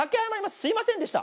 すみませんでした。